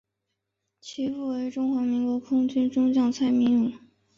其父为中华民国空军中将蔡名永。